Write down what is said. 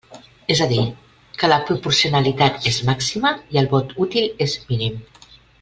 És a dir, que la proporcionalitat és màxima i el vot útil és mínim.